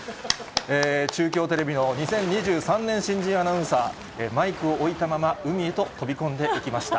中京テレビの２０２３年新人アナウンサー、マイクを置いたまま、海へと飛び込んでいきました。